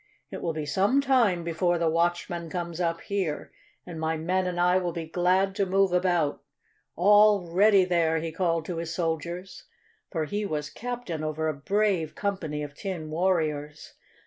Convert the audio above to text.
It will be some time before the watchman comes up here, and my men and I will be glad to move about. All ready there!" he called to his soldiers, for he was captain over a brave company of tin warriors.